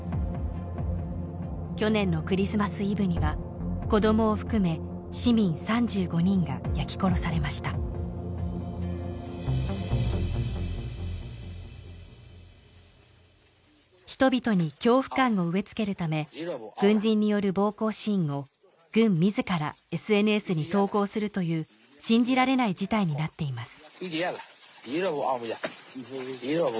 去年のクリスマスイブには子供を含め市民３５人が焼き殺されました人々に恐怖感を植えつけるため軍人による暴行シーンを軍自らＳＮＳに投稿するという信じられない事態になっています